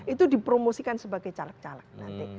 itu dipromosikan sebagai caleg caleg nanti